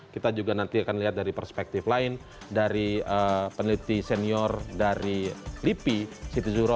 kita juga nanti akan lihat dari perspektif lain dari peneliti senior dari lipi siti zuro